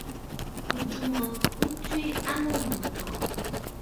Mɨ̀jɨ̂ mo mɨ tswe a mûm àntɔ̀ɔ̀.